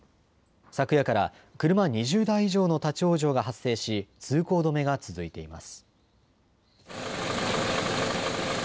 昨夜から車２０台以上の立往生が発生し通行止めが続いています。